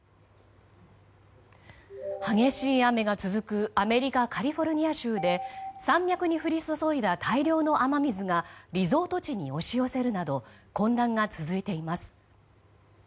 激しい雨が続くアメリカ・カリフォルニア州で山脈に降り注いだ大量の雨水がリゾート地に押し寄せるなど混乱が続いています。